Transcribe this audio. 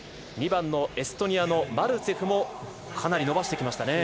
２番、エストニアのマルツェフもかなり伸ばしてきました。